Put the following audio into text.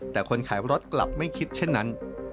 แต่คนขายรถกลับไม่คิดเช่นนั้น